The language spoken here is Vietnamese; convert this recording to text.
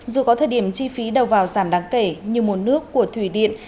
dù có thời điểm chi phí đầu vào giảm đáng kể như một nước của thủy điện